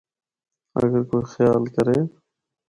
اگر کوئی خیال کرّے۔